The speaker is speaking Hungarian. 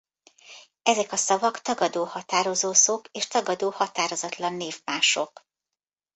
Ezek a szavak tagadó határozószók és tagadó határozatlan névmások.